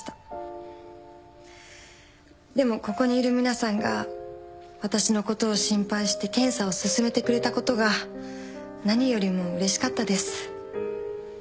でもここにいる皆さんが私のことを心配して検査を勧めてくれたことが何よりもうれしかったです。